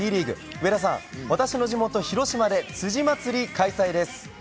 上田さん、私の地元・広島で辻祭り開催です。